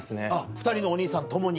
２人のお兄さん共に？